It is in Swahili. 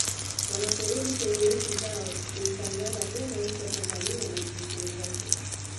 Wanaporudi kwenye nchi zao huitangaza vyema nchi ya Tanzania na vivutio vyake